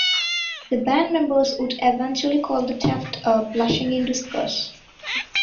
The band members would eventually call the theft a blessing in disguise.